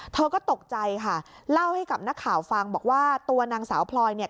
เธอก็ตกใจค่ะเล่าให้กับนักข่าวฟังบอกว่าตัวนางสาวพลอยเนี่ย